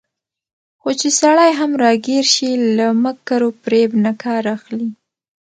خو چې سړى هم راګېر شي، له مکر وفرېب نه کار اخلي